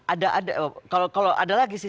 ada kalau ada lagi sih